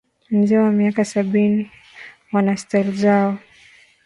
wazee wa miaka sabini wana style zao